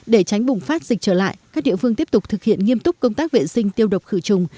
để tránh bùng phát dịch trở lại các địa phương tiếp tục thực hiện nghiêm túc công tác vệ sinh tiêu độc khử trùng